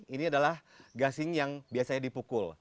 ini adalah gasing yang biasanya dipukul